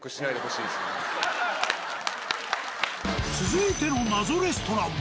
続いての謎レストランは。